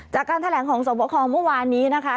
จากการแถลงของสวบคอเมื่อวานนี้นะคะ